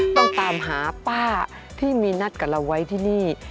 ต้องตามหาป้าที่มีนัดกับเราไว้ที่นี่